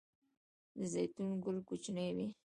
د زیتون ګل کوچنی وي؟